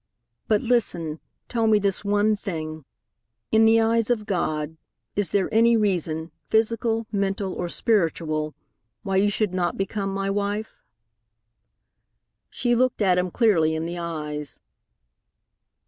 But listen, tell me this one thing: in the eyes of God, is there any reason, physical, mental, or spiritual, why you should not become my wife?" She looked him clearly in the eyes.